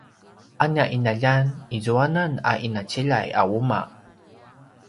a nia ’inaljan izuanan a ’inaciljay a uma’